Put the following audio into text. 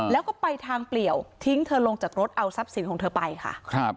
แล้วก็ไปทางเปลี่ยวทิ้งเธอลงจากรถเอาทรัพย์สินของเธอไปค่ะครับ